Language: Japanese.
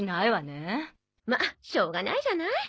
ましょうがないじゃない。